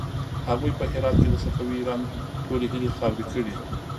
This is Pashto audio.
هغوی په هرات کې د صفوي ایران ټولې هيلې خاورې کړې.